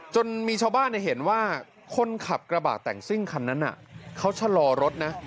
จนมีชาวบ้านเห็นว่าคนขับกระบะแต่งซิ่งคันนั้นเขาชะลอรถนะ